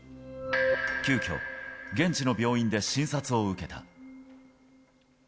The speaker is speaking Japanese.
急きょ、現地の病院で診察を受けた。